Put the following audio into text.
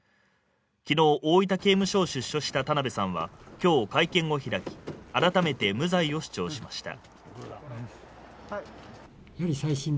昨日、大分刑務所を出所した田辺さんは今日会見を開き、改めて無罪を主張しました。